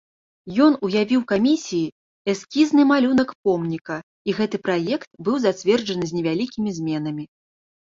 Ён уявіў камісіі эскізны малюнак помніка, і гэты праект быў зацверджаны з невялікімі зменамі.